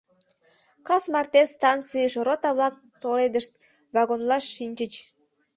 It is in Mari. ...Кас марте станцийыш рота-влак толедышт, вагонлаш шинчыч.